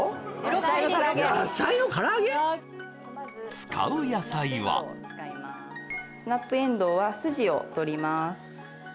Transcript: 使う野菜はスナップえんどうは筋をとります